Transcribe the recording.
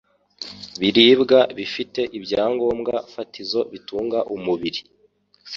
[Ibiribwa bifite ibyangombwa fatizo bitunga umubiri